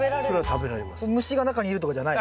虫が中にいるとかじゃない？